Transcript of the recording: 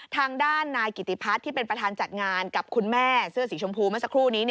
ทางด้านนายกิติพัฒน์ที่เป็นประธานจัดงานกับคุณแม่เสื้อสีชมพูเมื่อสักครู่นี้